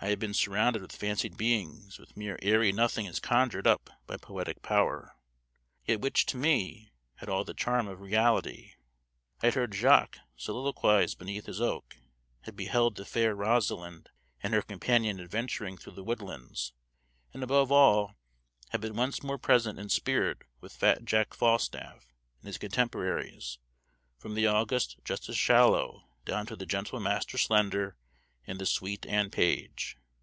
I had been surrounded with fancied beings, with mere airy nothings conjured up by poetic power, yet which, to me, had all the charm of reality. I had heard Jaques soliloquize beneath his oak; had beheld the fair Rosalind and her companion adventuring through the woodlands; and, above all, had been once more present in spirit with fat Jack Falstaff and his contemporaries, from the august Justice Shallow down to the gentle Master Slender and the sweet Anne Page.